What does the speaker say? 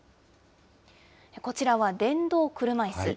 こちらは、電動車いす。